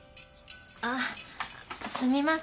あすみません。